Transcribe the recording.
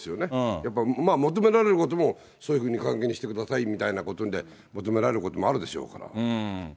やっぱり求められることもそういうふうに過激にしてくださいみたいなことで求められることもあるでしょうから。